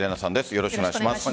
よろしくお願いします。